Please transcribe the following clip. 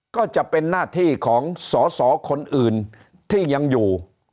ก็จะเป็นหน้าที่ของสอสอคนอื่นที่ยังอยู่